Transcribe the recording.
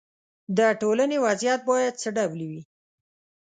د ټولنې وضعیت باید څه ډول وي.